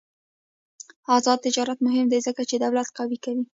آزاد تجارت مهم دی ځکه چې دولت قوي کوي.